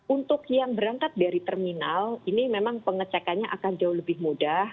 untuk yang berangkat dari terminal ini memang pengecekannya akan jauh lebih mudah